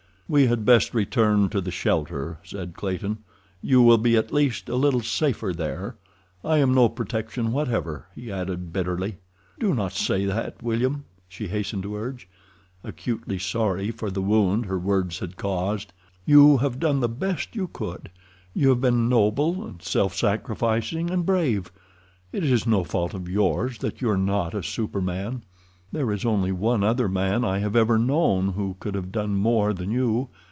"We had best return to the shelter," said Clayton. "You will be at least a little safer there. I am no protection whatever," he added bitterly. "Do not say that, William," she hastened to urge, acutely sorry for the wound her words had caused. "You have done the best you could. You have been noble, and self sacrificing, and brave. It is no fault of yours that you are not a superman. There is only one other man I have ever known who could have done more than you.